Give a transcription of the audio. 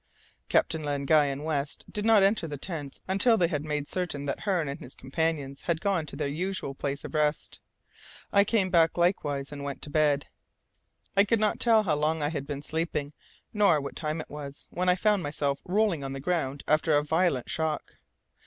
Captain Len Guy and West did not enter the tents until they had made certain that Hearne and his companions had gone to their usual place of rest. I came back likewise and went to bed. I could not tell how long I had been sleeping, nor what time it was, when I found myself rolling on the ground after a violent shock.